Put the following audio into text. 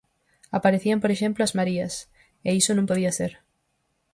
Aparecían, por exemplo, as Marías, e iso non podía ser.